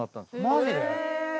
マジで？